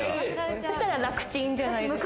そしたら楽ちんじゃないですか？